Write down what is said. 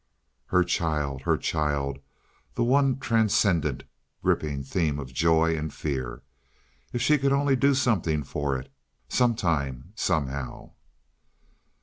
Her child, her child, the one transcendent, gripping theme of joy and fear. If she could only do something for it—sometime, somehow!